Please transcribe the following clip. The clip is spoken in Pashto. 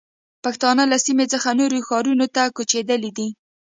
پښتانه له سیمې څخه نورو ښارونو ته کوچېدلي دي.